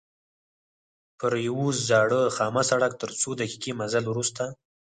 پر یوه زاړه خامه سړک تر څو دقیقې مزل وروسته.